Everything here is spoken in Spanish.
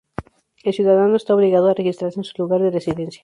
El ciudadano está obligado a registrarse en su lugar de residencia.